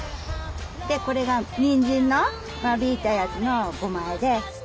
でこれがニンジンの間引いたやつのごまあえで。